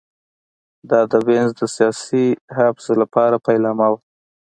دا د وینز د سیاسي حبس لپاره پیلامه وه